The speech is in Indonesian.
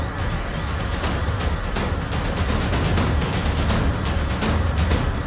kau akan d